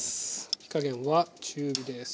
火加減は中火です。